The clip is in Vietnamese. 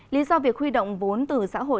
lý do việc khuy động vốn từ xã hội